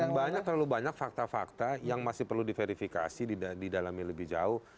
dan banyak terlalu banyak fakta fakta yang masih perlu diverifikasi di dalamnya lebih jauh